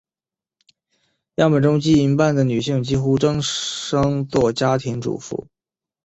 样本中近一半的女性几乎终生做家庭主妇。